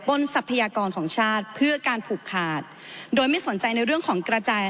ทรัพยากรของชาติเพื่อการผูกขาดโดยไม่สนใจในเรื่องของกระจาย